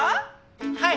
はい！